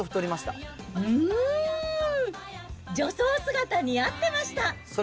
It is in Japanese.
うーん、女装姿似合ってました。